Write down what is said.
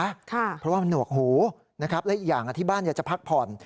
เพราะว่ามันหนวกหูนะครับและอีกอย่างที่บ้านอยากจะพักผ่อน